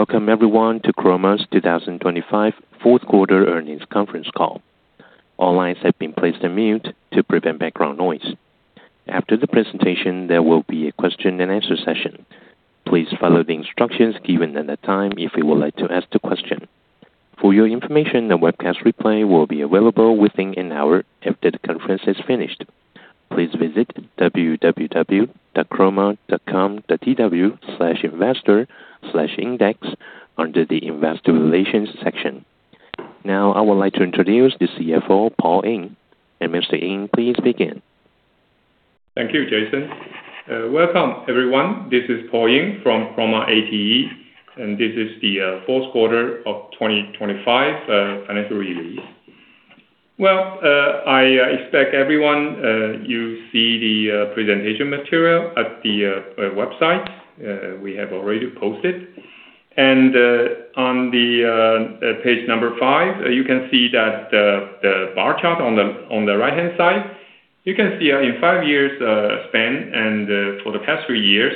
Welcome everyone to Chroma's 2025 Fourth Quarter Earnings Conference Call. All lines have been placed on mute to prevent background noise. After the presentation, there will be a question and answer session. Please follow the instructions given at that time if you would like to ask the question. For your information, the webcast replay will be available within an hour after the conference is finished. Please visit www.chroma.com.tw/investor/index under the Investor Relations section. Now, I would like to introduce the CFO, Paul Ying. Mr. Ying, please begin. Thank you, Jason. Welcome everyone. This is Paul Ying from Chroma ATE, this is the fourth quarter of 2025 financial release. Well, I expect everyone, you see the presentation material at the website, we have already posted. On the page number five, you can see that the bar chart on the right-hand side. You can see in five years span for the past three years,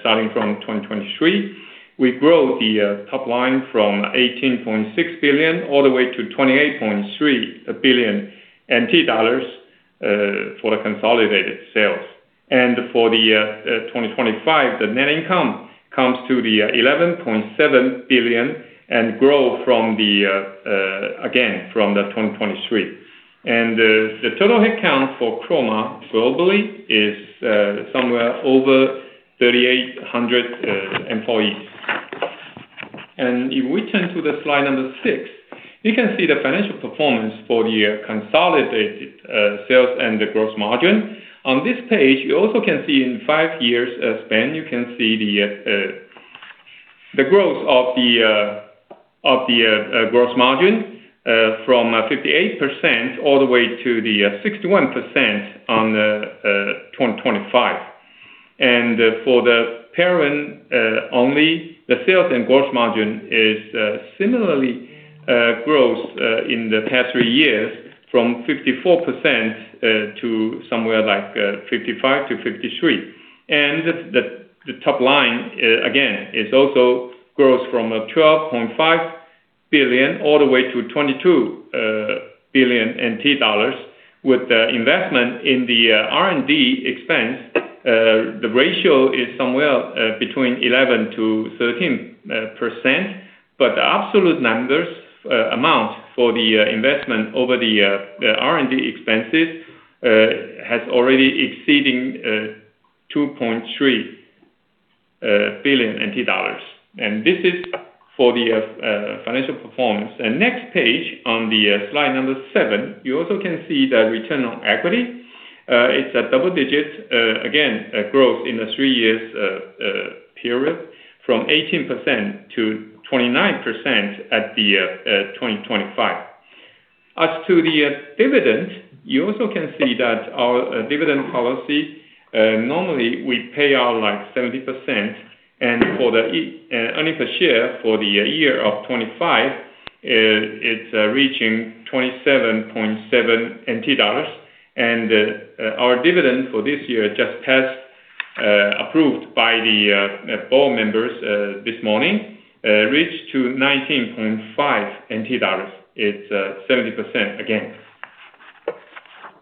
starting from 2023, we grow the top line from 18.6 billion all the way to 28.3 billion NT dollars for the consolidated sales. For the 2025, the net income comes to the 11.7 billion and grow from the again, from the 2023. The total headcount for Chroma globally is somewhere over 3,800 employees. If we turn to slide six, you can see the financial performance for the year consolidated sales and the gross margin. On this page, you also can see in five years span, you can see the growth of the gross margin from 58% all the way to 61% on 2025. For the parent only, the sales and gross margin is similarly growth in the past three years, from 54% to somewhere like 55%-53%. The top line again, is also grows from 12.5 billion all the way to 22 billion NT dollars. With the investment in the R&D expense, the ratio is somewhere between 11%-13%, but the absolute numbers amount for the investment over the R&D expenses has already exceeding 2.3 billion NT dollars. This is for the financial performance. Next page, on the slide number seven, you also can see the return on equity. It's a double digit again, a growth in the three years period, from 18%-29% at the 2025. As to the dividend, you also can see that our dividend policy normally we pay out like 70%. For the earnings per share for the year of 2025, it's reaching 27.7 NT dollars. Our dividend for this year just has approved by the board members this morning, reached to 19.5 NT dollars. It's 70% again.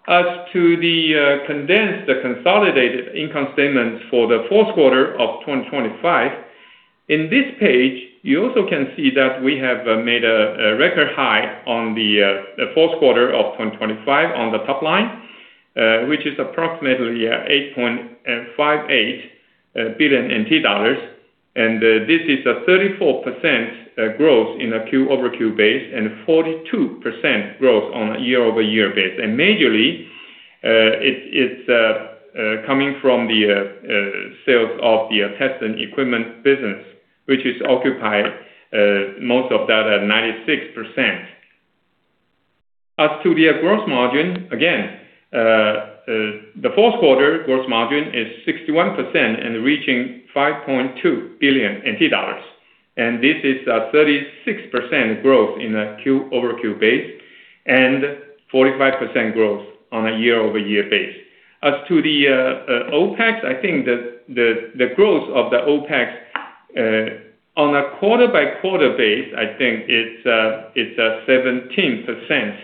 As to the condensed, the consolidated income statement for the fourth quarter of 2025. In this page, you also can see that we have made a record high on the fourth quarter of 2025 on the top line, which is approximately 8.58 billion NT dollars. This is a 34% growth in a quarter-over-quarter base, and 42% growth on a year-over-year base. Majorly, it's coming from the sales of the testing equipment business, which is occupied most of that at 96%. As to the gross margin, again, the fourth quarter gross margin is 61% and reaching 5.2 billion NT dollars. This is a 36% growth in a quarter-over-quarter base and 45% growth on a year-over-year base. As to the OpEx, I think the growth of the OpEx on a quarter-over-quarter base, I think it's a 17%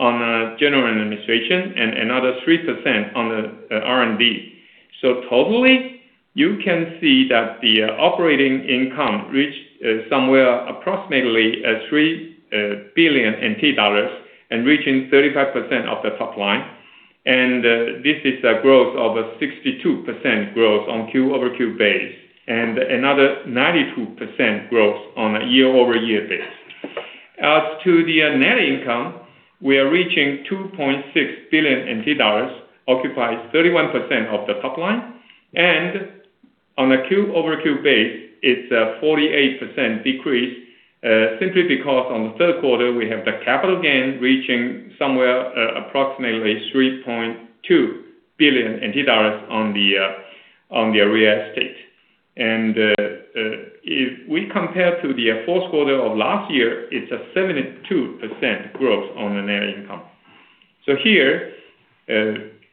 on a general administration and another 3% on the R&D. Totally, you can see that the operating income reached somewhere approximately 3 billion NT dollars and reaching 35% of the top line. This is a growth of a 62% growth on quarter-over-quarter base, and another 92% growth on a year-over-year base. As to the net income, we are reaching 2.6 billion NT dollars, occupies 31% of the top line. On a Q-over-Q base, it's a 48% decrease, simply because on the third quarter, we have the capital gains reaching somewhere, approximately 3.2 billion NT dollars on the real estate. If we compare to the fourth quarter of last year, it's a 72% growth on the net income. Here,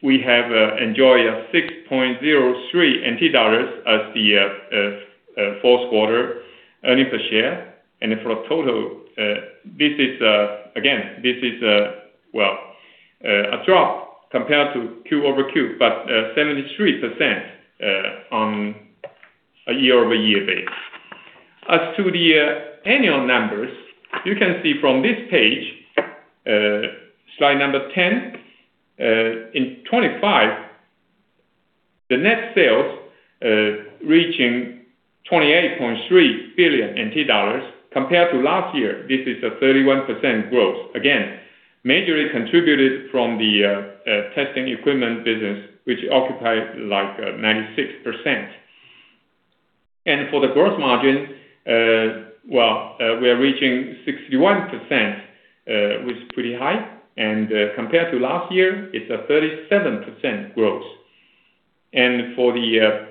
we have enjoy 6.03 NT dollars as the fourth quarter earning per share. For a total, this is again, this is well, a drop compared to Q-over-Q, but 73% on a year-over-year basis. As to the annual numbers, you can see from this page, slide number 10, in 2025, the net sales reaching 28.3 billion NT dollars. Compared to last year, this is a 31% growth. Again, majorly contributed from the testing equipment business, which occupied like 96%. For the growth margin, well, we are reaching 61%, which is pretty high, and compared to last year, it's a 37% growth. For the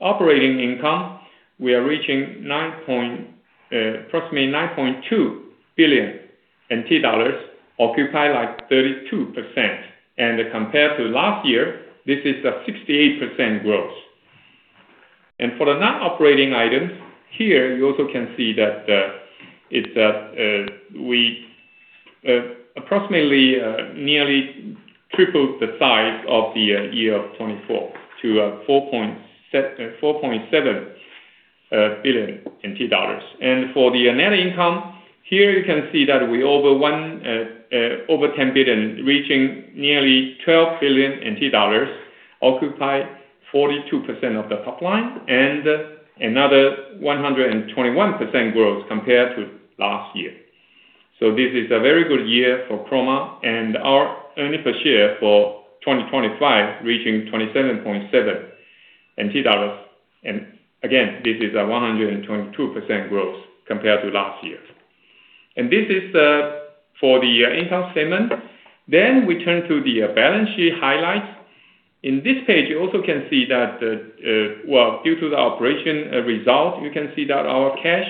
operating income, we are reaching approximately 9.2 billion NT dollars, occupy like 32%. Compared to last year, this is a 68% growth. For the non-operating items, here, you also can see that it's we approximately nearly tripled the size of the year of 2024 to 4.7 billion NT dollars. For the net income, here you can see that we over 10 billion, reaching nearly 12 billion NT dollars, occupy 42% of the top line, and another 121% growth compared to last year. This is a very good year for Chroma, and our earning per share for 2025, reaching 27.7 NT dollars. Again, this is a 122% growth compared to last year. This is for the income statement. We turn to the balance sheet highlights. In this page, you also can see that the, well, due to the operation result, you can see that our cash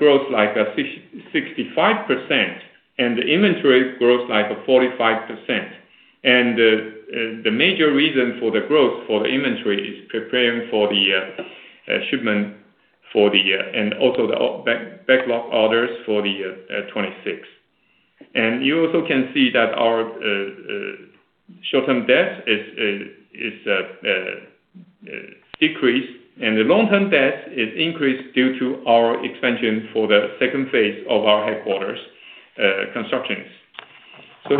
grows like 65%, and the inventory grows like 45%. The major reason for the growth for the inventory is preparing for the shipment for the and also the backlog orders for 2026. You also can see that our short-term debt is decreased, and the long-term debt is increased due to our expansion for the second phase of our headquarters constructions.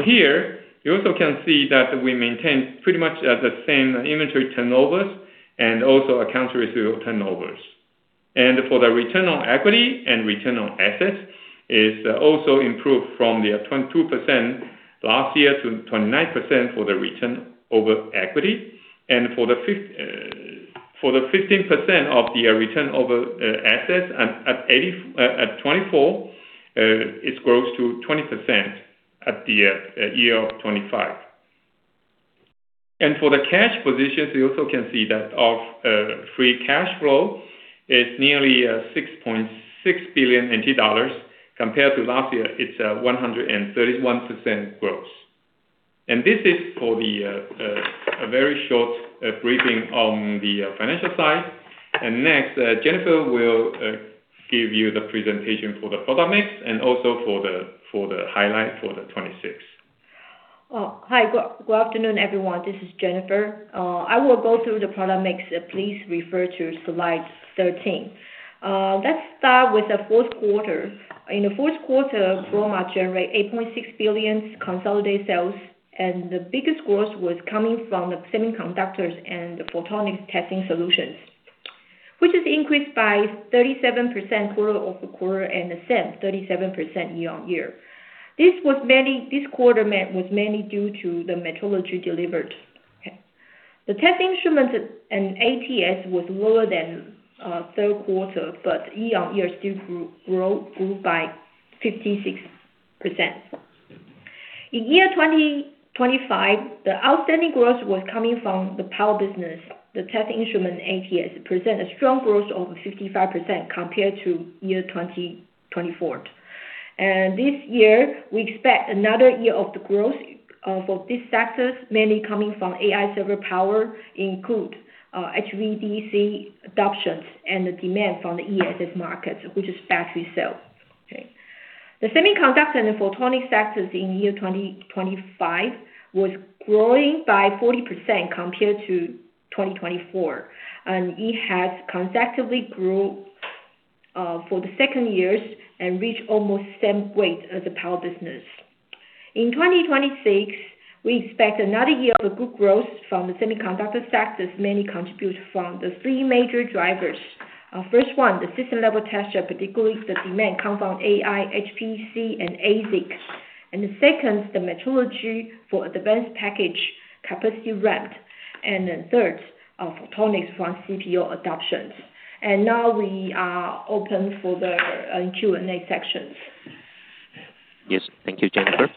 Here, you also can see that we maintain pretty much the same inventory turnovers and also accounts receivable turnovers. For the return on equity and return on assets, is also improved from the 22% last year to 29% for the return over equity, and for the 15% of the return over assets at 2024, it grows to 20% at the year of 2025. For the cash positions, you also can see that our free cash flow is nearly 6.6 billion NT dollars. Compared to last year, it's a 131% growth. This is for a very short briefing on the financial side. Next, Jennifer will give you the presentation for the product mix and also for the highlight for 2026. Hi. Good afternoon, everyone. This is Jennifer. I will go through the product mix. Please refer to slide 13. Let's start with the fourth quarter. In the fourth quarter, Chroma generate 8.6 billion consolidated sales, and the biggest growth was coming from the semiconductors and the photonics testing solutions, which is increased by 37% quarter-over-quarter and the same, 37% year-on-year. This quarter was mainly due to the metrology delivered. Okay. The test instruments and ATS was lower than third quarter, but year-on-year still grew by 56%. In 2025, the outstanding growth was coming from the power business. The test instrument, ATS, present a strong growth of 55% compared to 2024. This year, we expect another year of the growth for these sectors, mainly coming from AI server power, include HVDC adoptions and the demand from the ESS markets, which is battery cells. Okay. The semiconductor and photonic sectors in 2025 was growing by 40% compared to 2024, and it has consecutively grew for the second years and reached almost same weight as the power business. In 2026, we expect another year of good growth from the semiconductor sectors, mainly contribute from the three major drivers. First one, the System Level Test, particularly the demand come from AI, HPC, and ASIC. The second, the metrology for advanced packaging capacity ramp. The third, photonics from CPO adoptions. Now we are open for the Q&A section. Yes, thank you, Jennifer.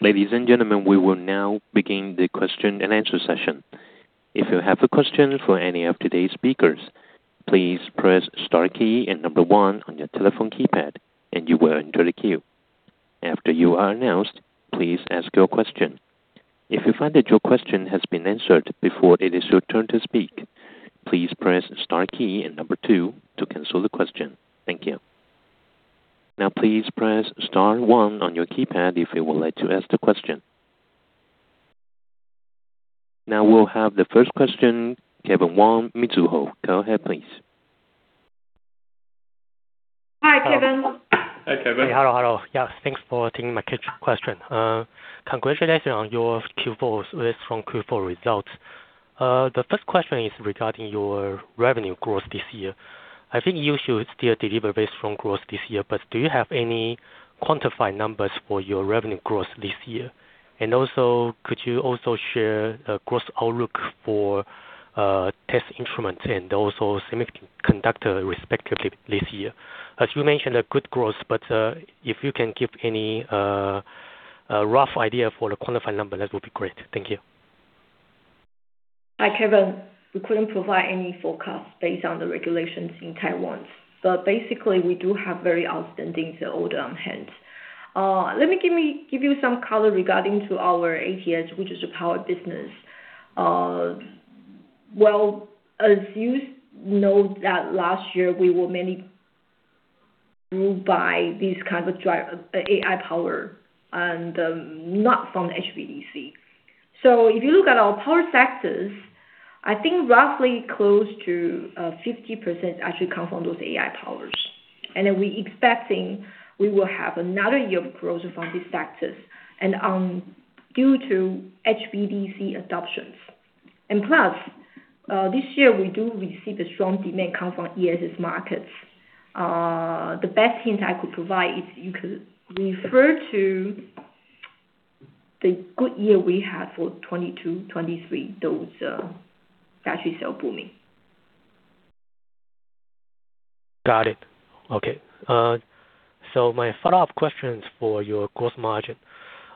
Ladies and gentlemen, we will now begin the question-and-answer session. If you have a question for any of today's speakers, please press star key and number one on your telephone keypad, and you will enter the queue. After you are announced, please ask your question. If you find that your question has been answered before it is your turn to speak, please press star key and number two to cancel the question. Thank you. Now, please press star one on your keypad if you would like to ask the question. Now we'll have the first question, Kevin Wang, Mizuho. Go ahead, please. Hi, Kevin. Hi, Kevin. Hey, hello. Yes, thanks for taking my question. Congratulations on your Q4, very strong Q4 results. The first question is regarding your revenue growth this year. I think you should still deliver very strong growth this year, but do you have any quantified numbers for your revenue growth this year? Could you also share the growth outlook for test instruments and also semiconductor, respectively, this year? As you mentioned, a good growth, if you can give any a rough idea for the quantified number, that would be great. Thank you. Hi, Kevin. We couldn't provide any forecast based on the regulations in Taiwan, basically, we do have very outstanding order on hand. Let me give you some color regarding to our ATS, which is the power business. Well, as you know that last year, we were mainly ruled by these kind of drive, AI power and not from HVDC. If you look at our power sectors, I think roughly close to 50% actually come from those AI powers. Then we expecting we will have another year of growth from these sectors, and due to HVDC adoptions. Plus, this year we do receive a strong demand come from ESS markets. The best hint I could provide is you could refer to the good year we had for 2022, 2023, those battery cell booming. Got it. Okay. My follow-up question is for your gross margin.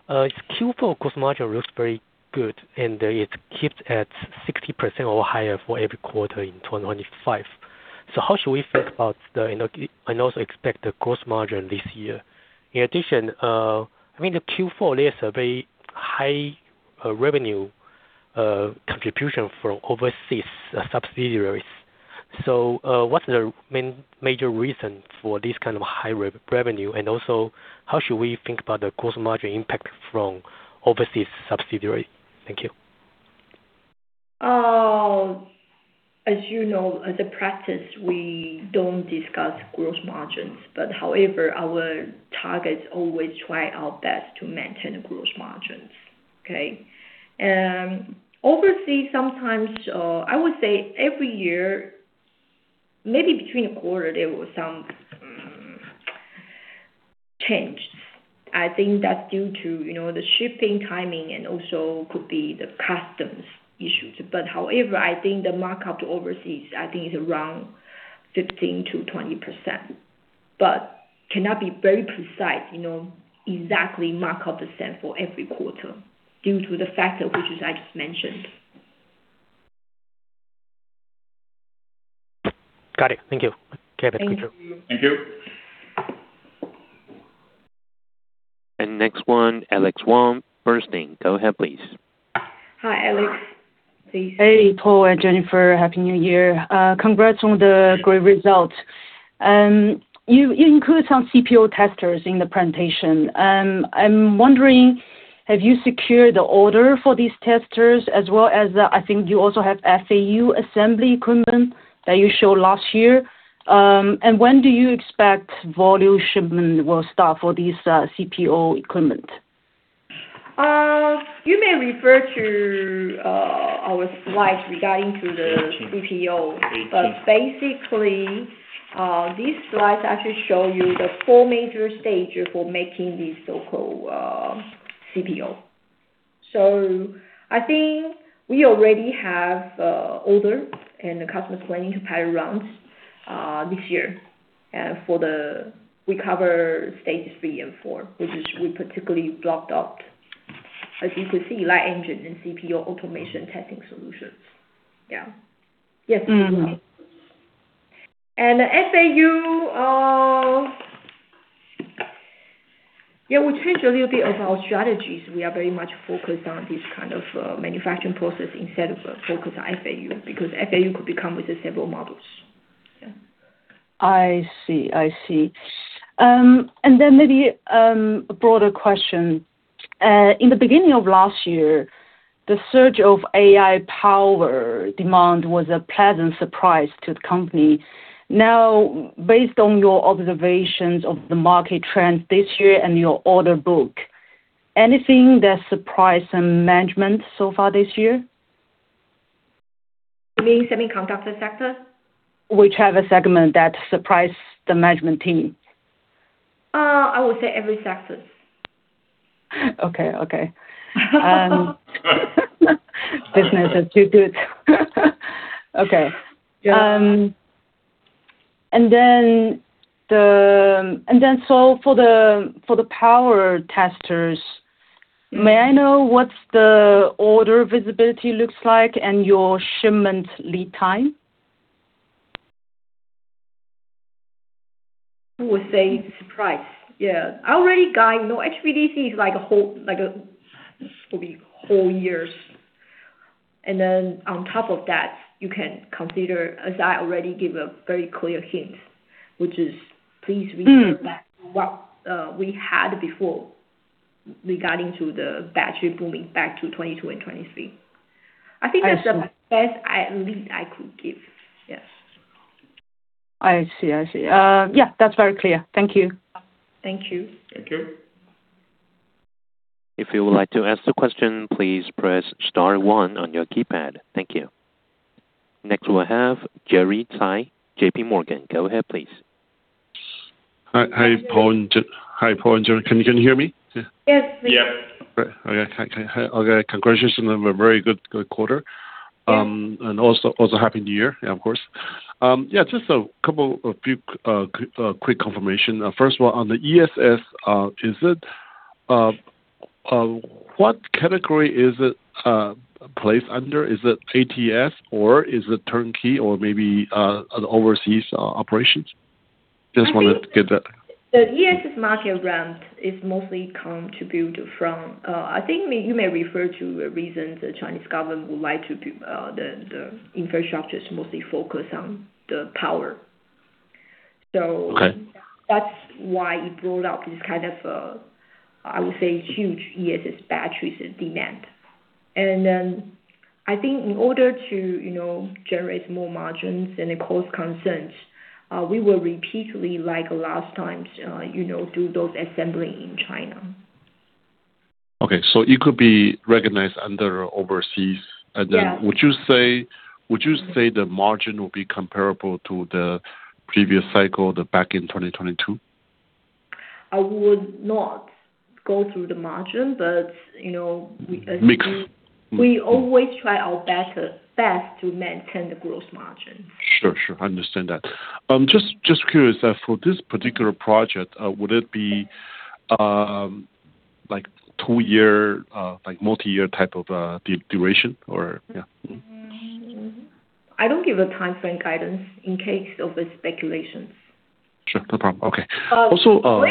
Q4 gross margin looks very good, and it keeps at 60% or higher for every quarter in 2025. How should we think about the, and also expect the gross margin this year? In addition, I mean, the Q4, there's a very high revenue contribution from overseas subsidiaries. What's the major reason for this kind of high revenue? How should we think about the gross margin impact from overseas subsidiaries? Thank you. As you know, as a practice, we don't discuss gross margins. However, our targets always try our best to maintain the gross margins. Okay? Overseas, sometimes, I would say every year, maybe between a quarter, there were some changes. I think that's due to, you know, the shipping timing, and also could be the customs issues. However, I think the markup to overseas, I think it's around 15%-20%, but cannot be very precise, you know, exactly markup the same for every quarter due to the factor which is I just mentioned. Got it. Thank you. Kevin, thank you. Thank you. Next one, Alex Wang, Bernstein. Go ahead, please. Hi, Alex. Hey, Paul and Jennifer. Happy New Year. Congrats on the great results. You include some CPO testers in the presentation. I'm wondering, have you secured the order for these testers as well as, I think you also have FAU assembly equipment that you showed last year? When do you expect volume shipment will start for these, CPO equipment? You may refer to our slides regarding to the CPO. Basically, these slides actually show you the four major stages for making the so-called CPO. I think we already have order, and the customer is planning to pile around this year. We cover stages 3 and 4, which is we particularly blocked out. As you can see, light engine and CPO automation testing solutions. Yes. Mm-hmm. FAU, yeah, we changed a little bit of our strategies. We are very much focused on this kind of manufacturing process instead of focused on FAU, because FAU could become with the several models. Yeah. I see. I see. Then maybe, a broader question. In the beginning of last year, the surge of AI power demand was a pleasant surprise to the company. Now, based on your observations of the market trends this year and your order book, anything that surprised the management so far this year? You mean semiconductor sector? Whichever segment that surprised the management team. I would say every sector. Okay. Okay. Business is too good. Okay. For the power testers, may I know what's the order visibility looks like and your shipment lead time? I would say surprise. Yeah. I already guide, you know, actually this is like a whole, it's gonna be whole years. On top of that, you can consider, as I already gave a very clear hint, which is. Mm. Remember back what we had before regarding to the battery booming back to 2022 and 2023. I see. I think that's the best I lead I could give. Yes. I see. I see. Yeah, that's very clear. Thank you. Thank you. Thank you. If you would like to ask the question, please press star one on your keypad. Thank you. Next, we'll have Gerald Tai, JPMorgan. Go ahead, please. Hi, Paul and Jerry. Can you hear me? Yes, we can. Yes. Great. Okay. Hi, okay, congratulations on a very good quarter. Thank you. Also happy New Year, yeah, of course. Just a few quick confirmation. First of all, on the ESS, is it what category is it placed under? Is it ATS, or is it turnkey, or maybe an overseas operations? Just wanted to get that. The ESS market ramp is mostly contributed from I think you may refer to the reasons the Chinese Government would like to do, the infrastructures mostly focus on the power. Okay That's why it brought up this kind of, I would say, huge ESS batteries demand. I think in order to, you know, generate more margins and it cause concerns, we will repeatedly, like last time, you know, do those assembly in China. Okay, it could be recognized under overseas? Yeah. Would you say the margin will be comparable to the previous cycle, the back in 2022? I would not go through the margin, but, you know. Because- We always try our better, best to maintain the growth margin. Sure. I understand that. I'm just curious that for this particular project, would it be like two-year, like multi-year type of duration or yeah? I don't give a timeframe guidance in case of the speculations. Sure, no problem. Okay. Um- Also, uh-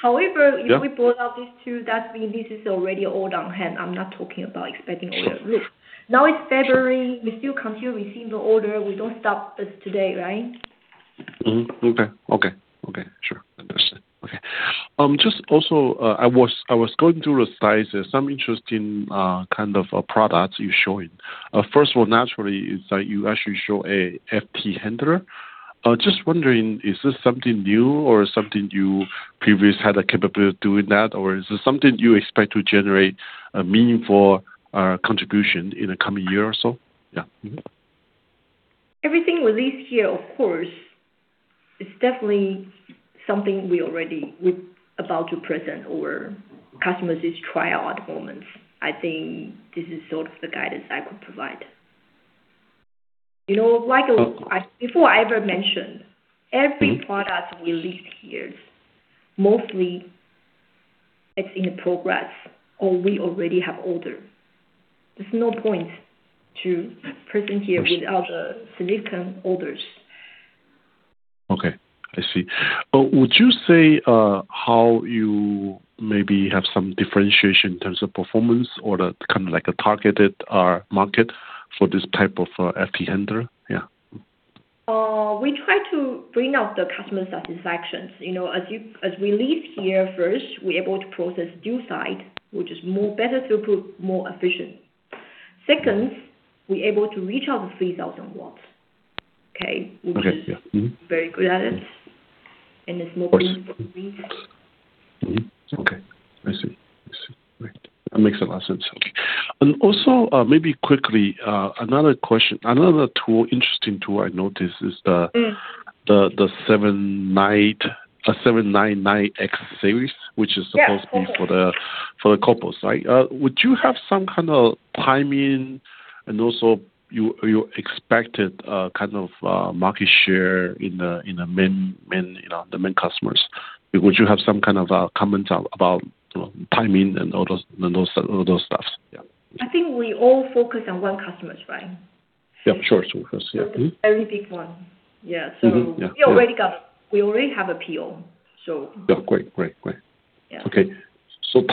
However. Yeah We brought out these two, that means this is already all on hand. I'm not talking about expecting orders. Sure. It's February, we still continue receiving the order. We don't stop as today, right? Okay, sure. Understand. Okay. Just also, I was going through the slides, there's some interesting, kind of, products you're showing. First of all, naturally, is that you actually show a FT handler. Just wondering, is this something new or something you previously had the capability of doing that? Or is this something you expect to generate a meaningful contribution in the coming year or so? Yeah. Everything released here, of course, is definitely something we already would about to present or customers is try out at the moment. I think this is sort of the guidance I could provide. You know, like I before I ever mentioned, every product we released here, mostly it's in progress or we already have order. There's no point to present here. Of course. Without the significant orders. Okay, I see. Would you say how you maybe have some differentiation in terms of performance or the kind of like a targeted market for this type of FT handler? Yeah. We try to bring out the customer satisfactions. You know, as we leave here, first, we're able to process dual-side, which is more better throughput, more efficient. Second, we're able to reach out to 3,000 watts, okay? Okay. Yeah. Mm-hmm. Very good at it. Of course. It's more important to me. Okay, I see. I see. Right. That makes a lot of sense. Okay. Also, maybe quickly, another question. Another tool, interesting tool I noticed is. Mm The 799X series. Yes, correct. Which is supposed to be for the couplers. Would you have some kind of timing and also your expected kind of market share in the main, you know, the main customers? Would you have some kind of comment about, you know, timing and all those stuff? Yeah. I think we all focus on one customers, right? Yeah, sure. Sure. Yeah. Very big one. Mm-hmm. Yeah. We already have a PO. Yeah. Great, great. Yeah.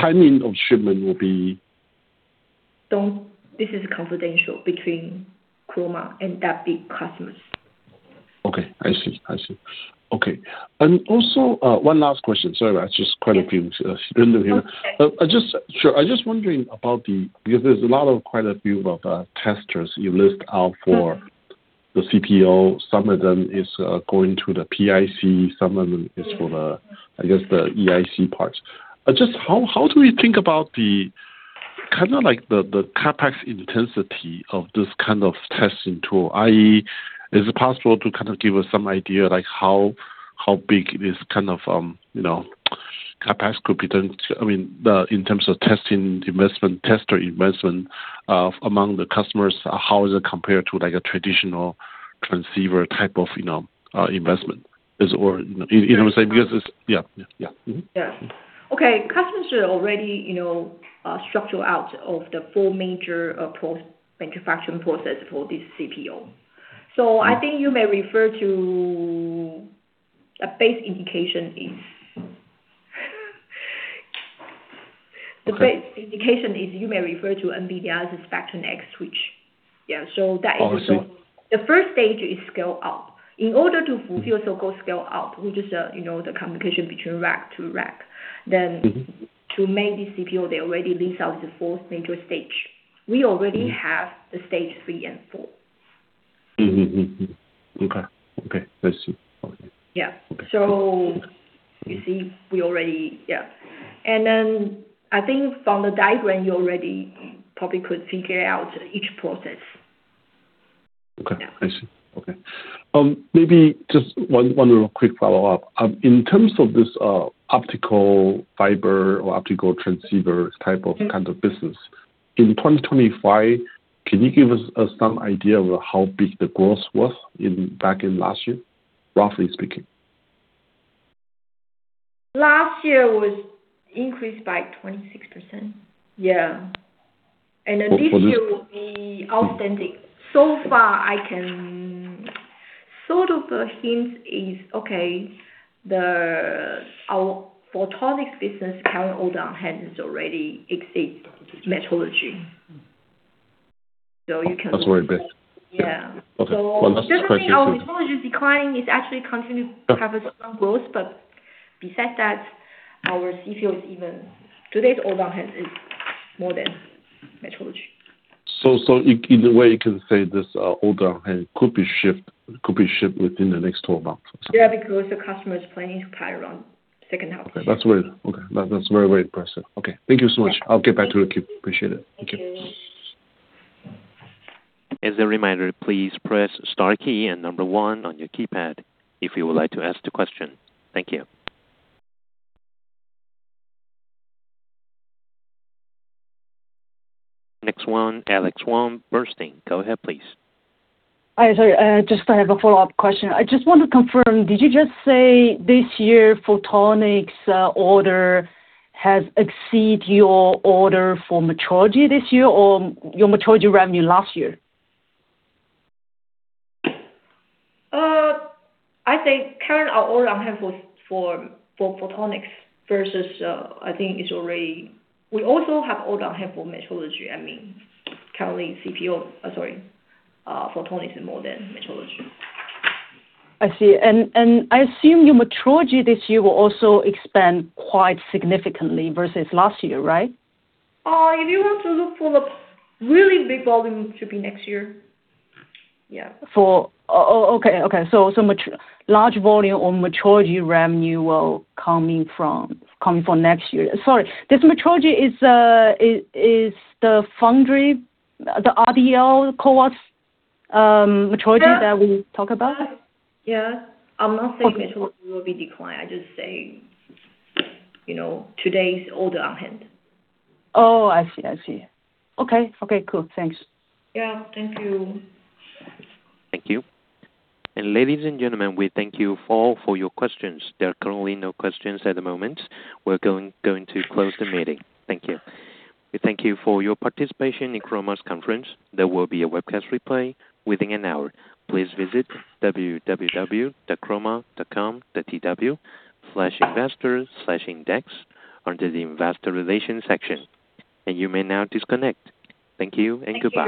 Timing of shipment will be? This is confidential between Chroma and that big customers. Okay, I see. I see. Okay. Also, one last question. Sorry, that's just quite a few here. Okay. Sure. I'm just wondering about the, because there's a lot of, quite a few of testers you list out for... Yeah The CPO. Some of them is going to the PIC, some of them is for the- Yeah I guess, the EIC parts. Just how do we think about the kinda like the CapEx intensity of this kind of testing tool, i.e., is it possible to kind of give us some idea, like how big it is kind of, you know? CapEx could be done, I mean, in terms of testing investment, tester investment, among the customers, how is it compared to, like, a traditional transceiver type of, you know, investment? Is or, you know what I'm saying? Yeah. Yeah. Yeah. Mm-hmm. Yeah. Okay. Customers are already, you know, structural out of the four major post manufacturing process for this CPO. I think you may refer to a base indication is you may refer to NVIDIA Spectrum-X switch. Oh. The first stage is scale-up. In order to fulfill your so-called scale-up, which is, you know, the communication between rack to rack. Mm-hmm... to make this CPO, they already lease out the fourth major stage. We already have Mm-hmm the stage 3 and 4. Okay. Okay, I see. Okay. Yeah. Okay. You see. I think from the diagram, you already probably could figure out each process. Okay. Yeah. I see. Okay. Maybe just one real quick follow-up. In terms of this, optical fiber or optical transceiver- Mm-hmm... kind of business, in 2025, can you give us, some idea of how big the growth was in, back in last year, roughly speaking? Last year was increased by 26%. Yeah. For this- This year will be outstanding. Far, I can sort of, hint is, okay, Our photonics business current order on hand is already exceeds metrology. That's very good. Yeah. Okay. Well, last question- Certainly, our metrology is declining. It's actually continuing- Yeah... to have a strong growth, but besides that, our CPO is even, today's order on hand is more than metrology. In a way, you can say this, order on hand could be shipped within the next 12 months or so? Yeah, because the customer is planning to buy around second half. Okay, that's very, very impressive. Okay, thank you so much. Yeah. I'll get back to the queue. Appreciate it. Thank you. As a reminder, please press star key and number one on your keypad if you would like to ask the question. Thank you. Next one, Alex Wang, Bernstein. Go ahead, please. Hi, sorry, just I have a follow-up question. I just want to confirm, did you just say this year photonics order has exceeded your order for metrology this year, or your metrology revenue last year? I think current our order on hand for photonics versus, We also have order on hand for metrology, I mean, currently CPO, sorry, photonics is more than metrology. I see. I assume your metrology this year will also expand quite significantly versus last year, right? If you want to look for the really big volume, it should be next year. Yeah. For, okay. Large volume on metrology revenue will coming from next year. Sorry, this metrology is the foundry, the RDL, metrology- Yeah... that we talk about? Yeah. Okay. I'm not saying metrology will be declined, I just say, you know, today's order on hand. Oh, I see. I see. Okay. Okay, cool. Thanks. Yeah, thank you. Thank you. Ladies and gentlemen, we thank you all for your questions. There are currently no questions at the moment. We're going to close the meeting. Thank you. We thank you for your participation in Chroma's conference. There will be a webcast replay within an hour. Please visit www.chroma.com.tw/investor/index under the Investor Relations section. You may now disconnect. Thank you and goodbye.